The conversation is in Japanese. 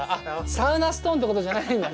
サウナストーンってことじゃないんだね。